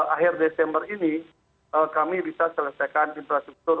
akhir desember ini kami bisa selesaikan infrastruktur